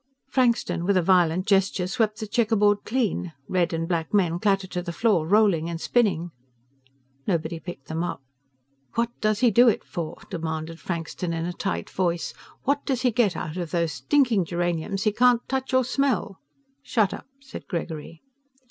Frankston, with a violent gesture, swept the checker board clean. Red and black men clattered to the floor, rolling and spinning. Nobody picked them up. "What does he do it for?" demanded Frankston in a tight voice. "What does he get out of those stinking geraniums he can't touch or smell?" "Shut up," said Gregory.